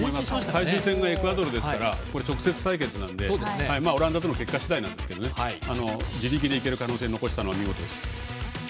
最終戦がエクアドルなのでオランダとの結果次第なんですけど自力でいける可能性を残したのは見事です。